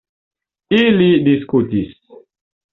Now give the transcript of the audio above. Ili diskutis.